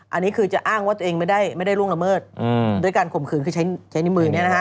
อันนี้คือจะอ้างว่าตัวเองไม่ได้ล่วงละเมิดด้วยการข่มขืนคือใช้ในมือ